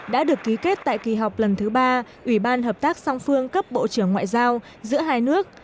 đã được ký kết tại kỳ họp lần thứ ba ủy ban hợp tác song phương cấp bộ trưởng ngoại giao giữa hai nước